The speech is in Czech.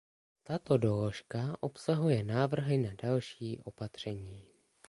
Tato doložka obsahuje návrhy na další opatření.